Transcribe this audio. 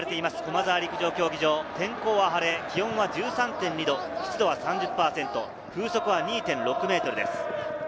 天候は晴れ、気温は１３．２度、湿度３０％、風速は２．６メートルです。